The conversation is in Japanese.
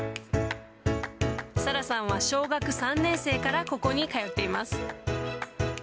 サラさんは小学３年生からここに通っています。